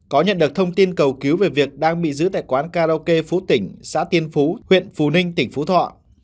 có nhận được thông tin cầu cứu về việc đang bị giữ tại quán karaoke phú tỉnh xã tiên phú huyện phú ninh tỉnh phú thọ